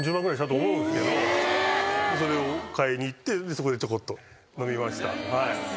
それを買いに行ってそこでちょこっと飲みました。